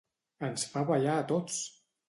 Ens fa ballar a tots!